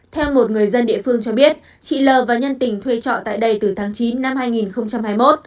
theo một người dân địa phương cho biết chị l và nhân tình thuê trọ tại đây từ tháng chín năm hai nghìn hai mươi một